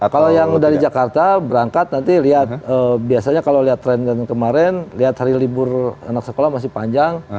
kalau yang dari jakarta berangkat nanti lihat biasanya kalau lihat tren kemarin lihat hari libur anak sekolah masih panjang